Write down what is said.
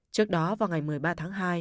trước đó vào ngày một mươi ba tháng hai